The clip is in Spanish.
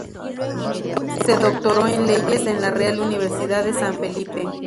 Se doctoró en leyes en la Real Universidad de San Felipe.